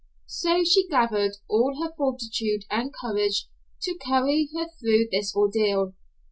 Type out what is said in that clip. So she gathered all her fortitude and courage to carry her through this ordeal.